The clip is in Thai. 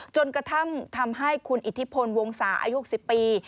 จนกระทั่งทำให้คุณอิทธิพลวงศาอายุ๑๐ปี